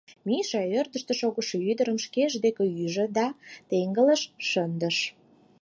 — Миша ӧрдыжтӧ шогышо ӱдырым шкеж дек ӱжӧ да теҥгылыш шындыш.